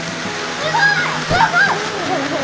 すごい！